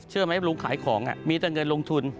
เชื่อไหมลุงขายของมีแต่เงินลงทุน